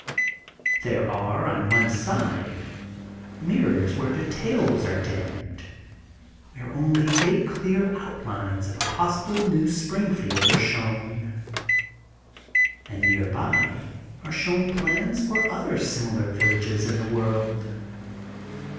There are on one side mirrors where details are dimmed, where only big clear outlines of a possible new Springfield are shown, and near by are shown plans for other similar vil lages in the world.